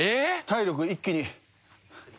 体力一気に。